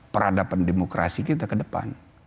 peradaban demokrasi kita ke depan